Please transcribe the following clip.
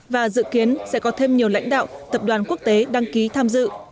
và dự kiến sẽ có thêm nhiều lãnh đạo tập đoàn quốc tế đăng ký tham dự